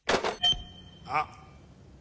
あっ！